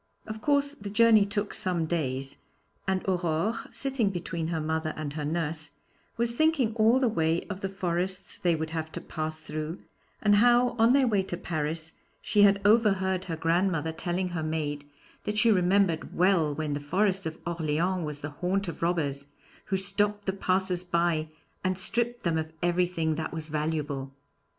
Of course, the journey took some days, and Aurore, sitting between her mother and her nurse, was thinking all the way of the forests they would have to pass through, and how, on their way to Paris, she had overheard her grandmother telling her maid that she remembered well when the Forest of Orleans was the haunt of robbers, who stopped the passers by and stripped them of everything that was valuable.